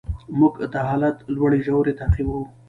موږ د حالت لوړې ژورې تعقیبوو.